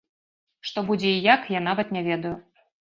Што будзе і як, я нават не ведаю.